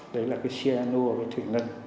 đấy là cái xia nua cái thủy ngân